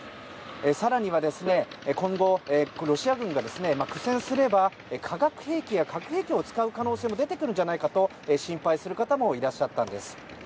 更には、今後ロシア軍が苦戦すれば化学兵器や核兵器を使う可能性も出てくるんじゃないかと心配する方もいらっしゃったんです。